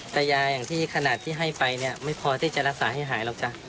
แต่ยาอย่างที่ขนาดที่ให้ไปเนี่ยไม่พอที่จะรักษาให้หายหรอกจ้ะ